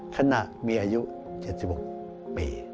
ขณะมีอายุ๗๖ปี